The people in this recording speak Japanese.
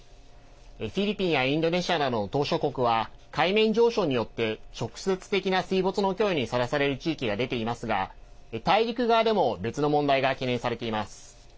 フィリピンやインドネシアなどの島しょ国は海面上昇によって直接的な水没の脅威にさらされる地域が出ていますが大陸側でも別の問題が懸念されています。